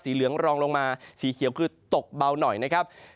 เหลืองรองลงมาสีเขียวคือตกเบาหน่อยนะครับ